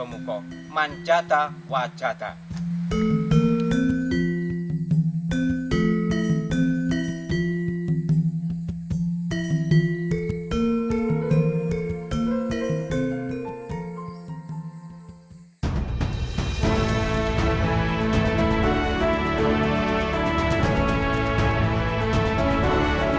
menjadikan saya lebih sabar